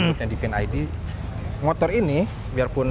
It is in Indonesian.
motor ini biarpun misalnya dibuat dari kita ada apa namanya